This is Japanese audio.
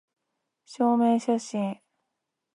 証明写真